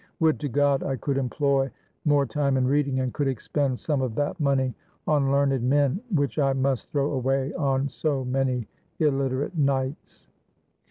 Would to God I could employ more time in reading, and could expend some of that money on learned men which I must throw away on so many illiterate knights!"